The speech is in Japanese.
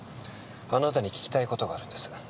あなたに聞きたい事があるんです。